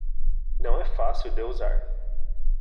Não é fácil de usar